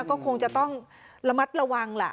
ก็คงจะต้องระมัดระวังล่ะ